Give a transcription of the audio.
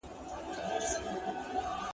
د افغانستان زعفران هم همداسې دي.